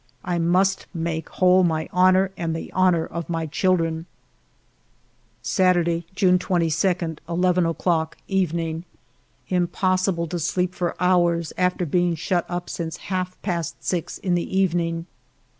I must make whole my honor and the honor of my children. Saturday^ June 22, 11 clocks evening. Impossible to sleep for hours, after being shut up since half past six in the evening.